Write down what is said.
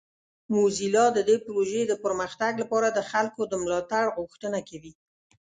موزیلا د دې پروژې د پرمختګ لپاره د خلکو د ملاتړ غوښتنه کوي.